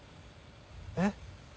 えっ？